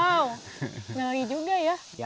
wow menarik juga ya